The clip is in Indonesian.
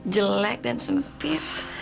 jelek dan sempit